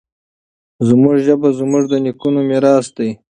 زموږ ژبه زموږ د نیکونو میراث دی.